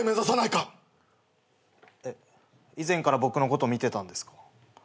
以前から僕のこと見てたんですか？